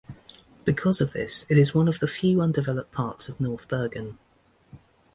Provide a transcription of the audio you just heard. Because of this, it is one of the few undeveloped parts of North Bergen.